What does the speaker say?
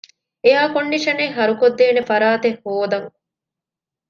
އެއަރ ކޮންޑިޝަނެއް ހަރުކޮށްދޭނެ ފަރާތެއް ހޯދަން